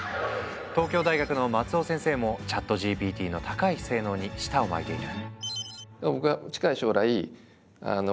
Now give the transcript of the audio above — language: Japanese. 東京大学の松尾先生もＣｈａｔＧＰＴの高い性能に舌を巻いている。